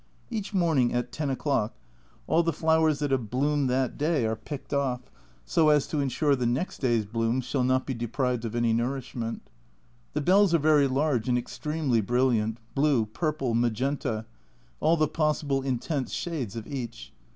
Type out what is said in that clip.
Each morning at ten o'clock all the flowers that have bloomed that day are picked off, so as to 190 A Journal from Japan ensure the next day's blooms shall not be deprived of any nourishment. The bells are very large and extremely brilliant, blue, purple, magenta, all the possible intense shades of each.